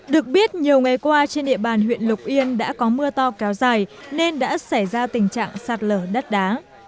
được biết nhiều ngày qua trên địa bàn huyện lục yên đã có mưa to kéo dài nên đã xảy ra tình trạng sạt lở đất đá